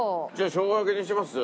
しょうが焼きにします？